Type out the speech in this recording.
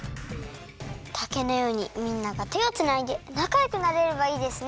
たけのようにみんながてをつないでなかよくなれればいいですね！